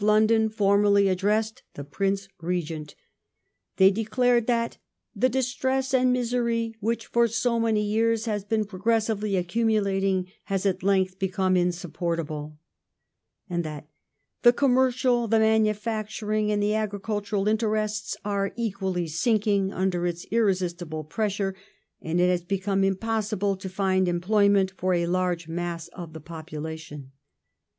Q^^^°JJg London formally addressed the Prince Regent. They declared City Cor that "the distress and misery which for so many years has been^^'^^'^" progressively accumulating, has at length become insupportable," and that " the commercial, the manufacturing, and the agricultural interests are equally sinking under its irresistible pressure, and it has become impossible to find employment for a large mass of the population